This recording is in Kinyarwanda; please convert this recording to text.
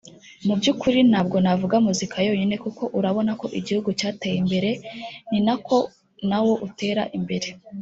Mu byukuri nabwo navuga muzika yonyine kuko urabona ko Igihugu cyateye imbere ninako nawo utera imbere